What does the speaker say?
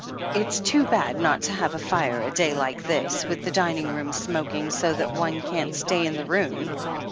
"It's too bad not to have a fire a day like this, with the dining room smoking so that one can't stay in the room."